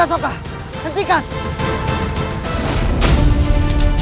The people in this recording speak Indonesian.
raka soekar berhenti